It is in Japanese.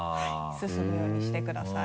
進むようにしてください。